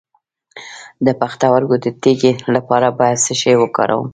د پښتورګو د تیږې لپاره باید څه شی وکاروم؟